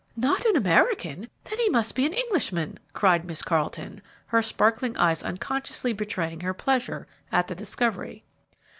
"Not an American! Then he must be an Englishman," cried Miss Carleton, her sparkling eyes unconsciously betraying her pleasure at the discovery.